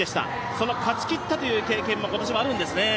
その勝ちきったという経験も今年はあるんですね。